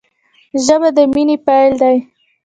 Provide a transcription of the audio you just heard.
ژبه د مینې پیل دی